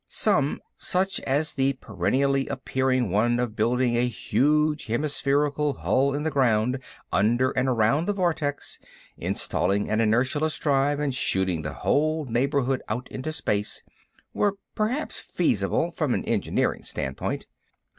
Some, such as the perennially appearing one of building a huge hemispherical hull in the ground under and around the vortex, installing an inertialess drive, and shooting the whole neighborhood out into space, were perhaps feasible from an engineering standpoint.